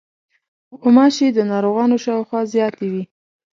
غوماشې د ناروغانو شاوخوا زیاتې وي.